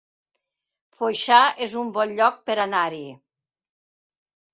Foixà es un bon lloc per anar-hi